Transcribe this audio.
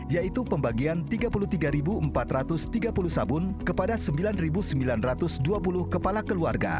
yaitu pembagian tiga puluh tiga empat ratus tiga puluh sabun kepada sembilan sembilan ratus dua puluh kepala keluarga